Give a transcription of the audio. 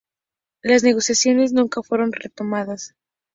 Las negociaciones nunca fueron retomadas.